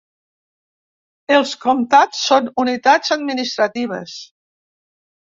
Els comtats són unitats administratives.